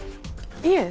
いえ。